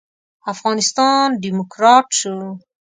افغانستان ډيموکرات شو.